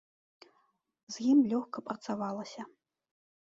З ім лёгка працавалася.